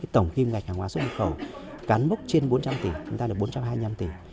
tổng kim ngạch hàng hóa xuất nhập khẩu cán mốc trên bốn trăm linh tỷ chúng ta là bốn trăm hai mươi năm tỷ